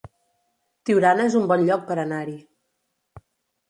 Tiurana es un bon lloc per anar-hi